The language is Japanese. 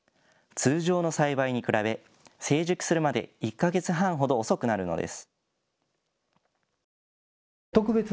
通常の栽培に比べ成熟するまで１か月半ほど遅くなるのです。